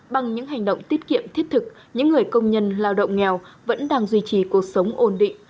bằng những hành động tiết kiệm thiết thực những người công nhân lao động nghèo vẫn đang duy trì cuộc sống ổn định